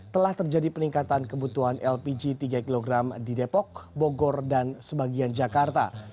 telah terjadi peningkatan kebutuhan lpg tiga kg di depok bogor dan sebagian jakarta